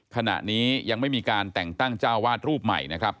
ขณะนี้ยังไม่มีการแต่งตั้งเจ้าวาดรูปใหม่นะครับ